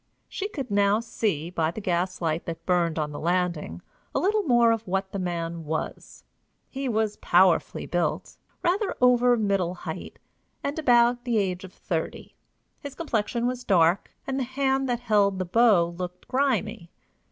She could now see, by the gaslight that burned on the landing, a little more of what the man was. He was powerfully built, rather over middle height, and about the age of thirty. His complexion was dark, and the hand that held the bow looked grimy.